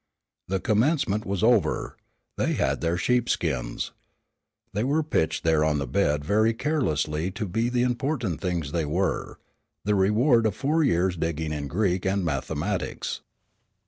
The commencement was over. They had their sheepskins. They were pitched there on the bed very carelessly to be the important things they were, the reward of four years digging in Greek and Mathematics.